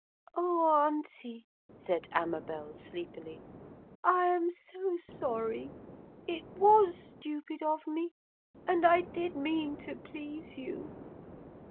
'Oh, Auntie,' said Amabel sleepily, 'I am so sorry. It was stupid of me. And I did mean to please you.'